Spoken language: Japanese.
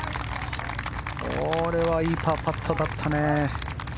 これはいいパーパットだったね。